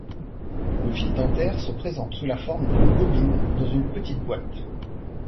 Le fil dentaire se présente sous la forme d'une bobine dans une petite boîte.